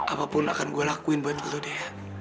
apapun akan gue lakuin buat lo deh